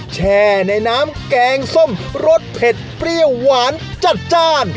แช่ในน้ำแกงส้มรสเผ็ดเปรี้ยวหวานจัดจ้าน